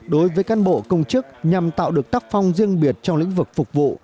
đối với cán bộ công chức nhằm tạo được tác phong riêng biệt trong lĩnh vực phục vụ